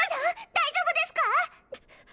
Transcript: ⁉大丈夫ですか？